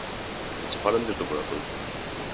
Que che falen desde o corazón.